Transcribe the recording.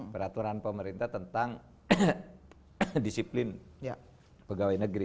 peraturan pemerintah tentang disiplin pegawai negeri